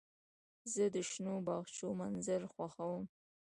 زه د شنو باغچو منظر خوښوم.